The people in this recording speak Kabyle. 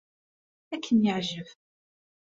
Ad kem-yeɛjeb.